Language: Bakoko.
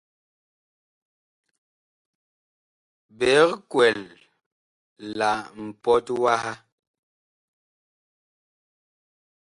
Biig kwɛl la mpɔt waha.